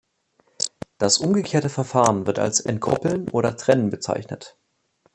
Das umgekehrte Verfahren wird als "Entkoppeln" oder "Trennen" bezeichnet.